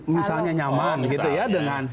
misalnya nyaman gitu ya dengan